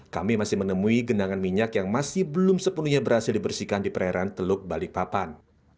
kami masih menemui genangan minyak yang masih belum sepenuhnya berhasil dibersihkan di perairan teluk balikpapan